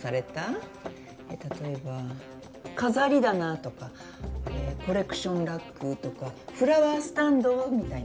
えぇ例えば飾り棚とかえぇコレクションラックとかフラワースタンドみたいな。